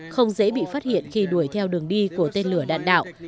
không dễ bị phát hiện khi đuổi theo đường đi của tên lửa đạn đạo